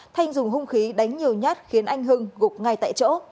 thanh dùng hung khí đánh nhiều nhát khiến anh hưng gục ngay tại chỗ